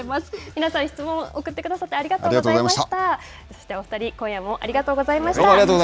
皆さん、質問を送ってくださってそして、お二人、今夜もありがとうございました。